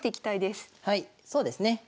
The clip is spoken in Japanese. はいそうですね。